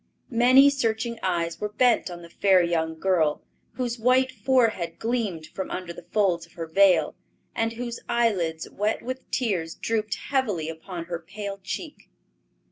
Many searching eyes were bent on the fair young girl, whose white forehead gleamed from under the folds of her veil, and whose eyelids, wet with tears, drooped heavily upon her pale cheek.